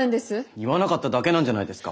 言わなかっただけなんじゃないですか？